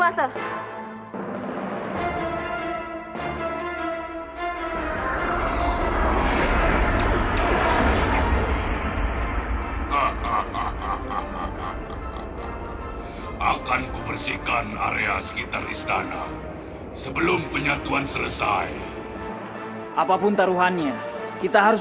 akan kubersihkan area sekitar istana sebelum penyatuan selesai apapun taruhannya kita harus